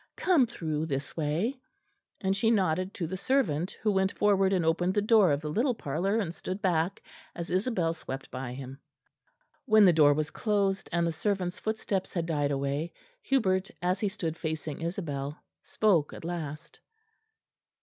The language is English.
Come through this way"; and she nodded to the servant, who went forward and opened the door of the little parlour and stood back, as Isabel swept by him. When the door was closed, and the servant's footsteps had died away, Hubert, as he stood facing Isabel, spoke at last.